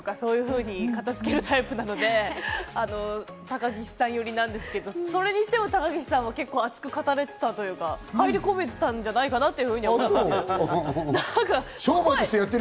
私もどちらかというと個性だとか、そういうふうに片付けるタイプなので、高岸さん寄りなんですけど、それにしても高岸さんも熱く語られてたというか、入り込めていたんじゃないかなと。